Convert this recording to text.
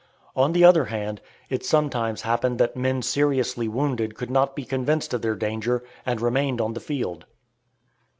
On the other hand, it sometimes happened that men seriously wounded could not be convinced of their danger, and remained on the field.